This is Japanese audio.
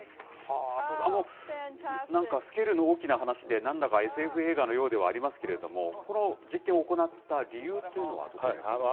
なんかスケールの大きな話で、なんだかＳＦ映画のようではありますけれども、この実験を行った理由っていうのは、どういうところに。